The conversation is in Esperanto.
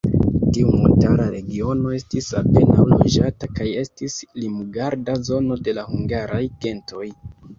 Tiu montara regiono estis apenaŭ loĝata kaj estis limgarda zono de la hungaraj gentoj.